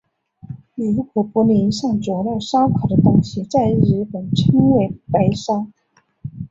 如果不淋上佐料烧烤的东西在日本称为白烧。